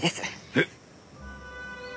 えっ！？